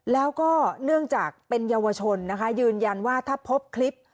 แล้วก็เนื่องจากเป็นเยาวชนนะคะยืนยันว่าถ้าพบคลิป